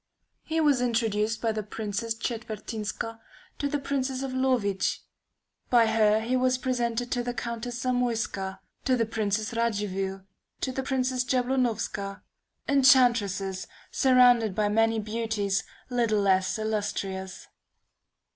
He was introduced by the Princess Czetwertynska to the Princess of Lowicz; by her he was presented to the Countess Zamoyska; to the Princess Radziwill; to the Princess Jablonowska; enchantresses, surrounded by many beauties little less illustrious.